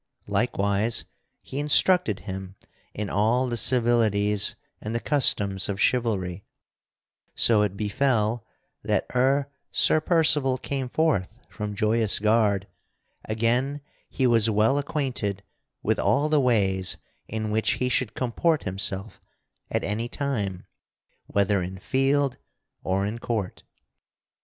Likewise he instructed him in all the civilities and the customs of chivalry, so it befell that ere Sir Percival came forth from Joyous Gard again he was well acquainted with all the ways in which he should comport himself at any time, whether in field or in court.